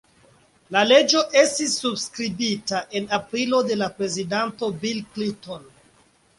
La leĝo estis subskribita en aprilo de la prezidanto Bill Clinton.